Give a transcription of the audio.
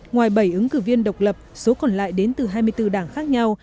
ngoài bảy ứng cử viên độc lập số còn lại đến từ hai mươi bốn đảng khác nhau